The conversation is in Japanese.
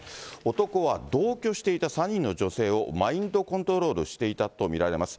男は同居していた３人の女性を、マインドコントロールしていたと見られます。